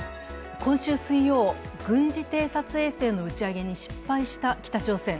今週水曜、軍事偵察衛星の打ち上げに失敗した北朝鮮。